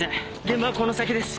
現場はこの先です。